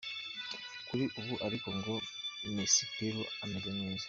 Kuri ubu ariko ngo Misi Peru ameze neza.